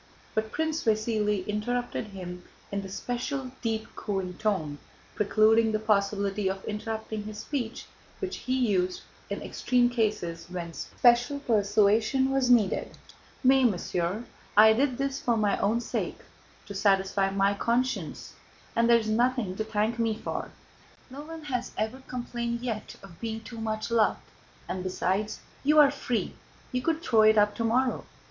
But Prince Vasíli interrupted him in the special deep cooing tone, precluding the possibility of interrupting his speech, which he used in extreme cases when special persuasion was needed. "Mais, mon cher, I did this for my own sake, to satisfy my conscience, and there is nothing to thank me for. No one has ever complained yet of being too much loved; and besides, you are free, you could throw it up tomorrow.